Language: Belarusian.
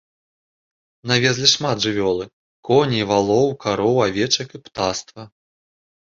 Навезлі шмат жывёлы, коней, валоў, кароў, авечак і птаства.